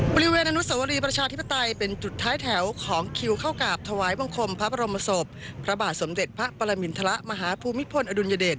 บริเวณอนุสวรีประชาธิปไตยเป็นจุดท้ายแถวของคิวเข้ากราบถวายบังคมพระบรมศพพระบาทสมเด็จพระปรมินทรมาฮภูมิพลอดุลยเดช